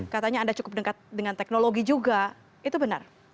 katanya anda cukup dekat dengan teknologi juga itu benar